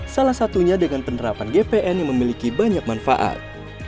salah satunya dengan penerapan gpn yang memiliki banyak manfaat